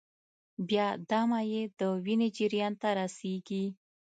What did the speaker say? بیا دا مایع د وینې جریان ته رسېږي.